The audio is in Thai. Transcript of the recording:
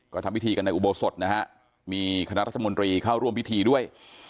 ก็ทำพิธีกันในอุโบสถนะฮะมีคณะรัฐมนตรีเข้าร่วมพิธีด้วย